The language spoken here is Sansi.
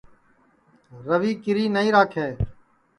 روی کیری نائی راکھے